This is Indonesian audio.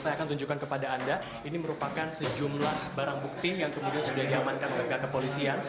saya akan tunjukkan kepada anda ini merupakan sejumlah barang bukti yang kemudian sudah diamankan oleh pihak kepolisian